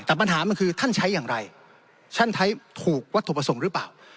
แต่ปัญหามันคือท่านใช้อย่างไรท่านใช้ถูกวัตถุประสงค์หรือเปล่า